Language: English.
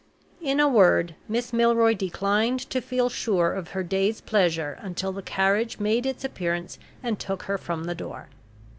In a word, Miss Milroy declined to feel sure of her day's pleasure until the carriage made its appearance and took her from the door.